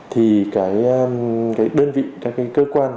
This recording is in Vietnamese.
thì cái đơn vị các cơ quan